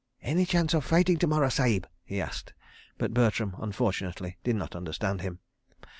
"Any chance of fighting to morrow, Sahib?" he asked, but Bertram, unfortunately, did not understand him.